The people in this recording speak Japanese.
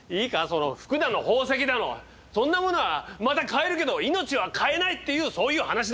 服だの宝石だのそんなものはまた買えるけど命は買えないっていうそういう話だよ。